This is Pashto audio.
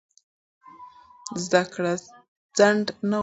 زده کړه ځنډ نه غواړي.